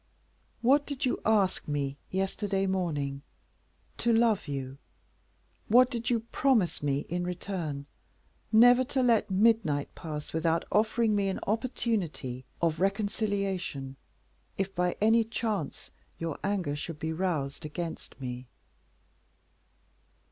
"What did you ask me yesterday morning? To love you. What did you promise me in return? Never to let midnight pass without offering me an opportunity of reconciliation, if, by any chance, your anger should be roused against me."